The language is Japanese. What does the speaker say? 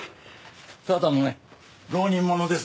ただのね浪人者ですがね。